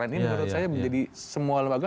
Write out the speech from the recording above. lainnya menurut saya jadi semua lembaga